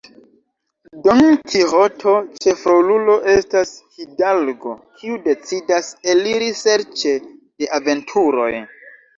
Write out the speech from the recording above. Don Kiĥoto, ĉefrolulo, estas hidalgo kiu decidas eliri serĉe de aventuroj.